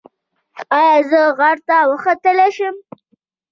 ایا زه غره ته وختلی شم؟